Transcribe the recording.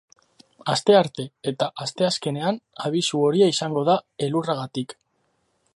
Astearte eta asteazkenean, abisu horia izango da, elurragatik.